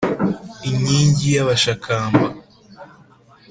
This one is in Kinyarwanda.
inkingi y’ abashakamba